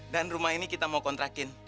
dan rumah ini kita mau kontrakin